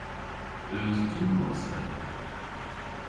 Eus diwros dhedha?